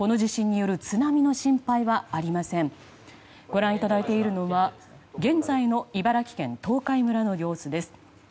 ご覧いただいているのは現在の茨城県東海村の様子です。